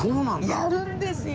やるんですよ。